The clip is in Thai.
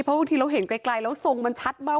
เพราะบางทีเราเห็นไกลแล้วทรงมันชัดมาก